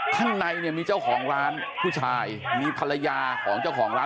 ข้างในเนี่ยมีเจ้าของร้านผู้ชายมีภรรยาของเจ้าของร้าน